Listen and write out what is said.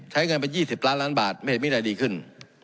ใช้เงินไป๒๐ล้านล้านบาทไม่เห็นมีอะไรดีขึ้น